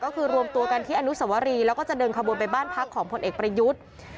ก็คือรวมตัวกันที่อนุสวรีแล้วก็จะเดินขบวนไปบ้านพักของผลเอกประยุทธ์